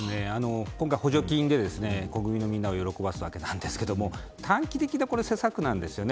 今回、補助金で国民の皆を喜ばせたわけなんですが短期的な施策なんですよね。